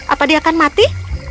apa dia akan mati